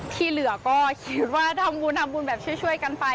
ที่เหลือก็คิดว่าทำบุญทำบุญแบบช่วยกันไป